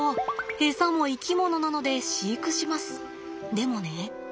でもね。